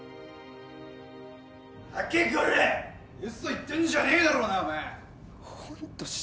ウソ言ってんじゃねぇだろうなお前